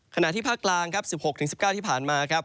ขณะที่ภาคกลางครับ๑๖๑๙ที่ผ่านมาครับ